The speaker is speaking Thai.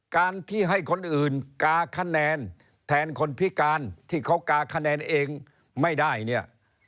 การที่ให้คนอื่นกาคะแนนแทนคนพิการที่เขากาคะแนนเองไม่ได้เนี่ย